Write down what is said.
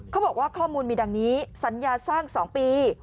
เขาบอกว่าข้อมูลมีดังนี้สัญญาสร้าง๒ปี